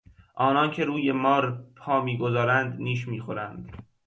آنان که روی مار پا میگذارند نیش میخورند.